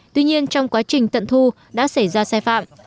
tuy nhiên trong quá trình tận thu đã xảy ra sai phạm